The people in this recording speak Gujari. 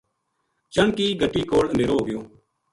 چنڈ کی گَٹی کول اندھیرو ہو گیو